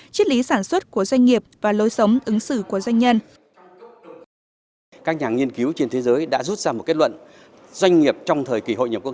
chiết lý sản xuất của doanh nghiệp và lối sống ứng xử của doanh nhân